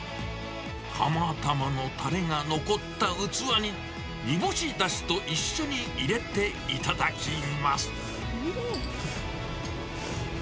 釜玉のタレが残った器に、煮干しだしと一緒に入れて頂きます。